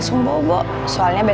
gue biar keluar yang buang